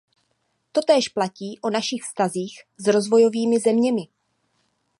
Totéž platí o našich vztazích s rozvojovými zeměmi.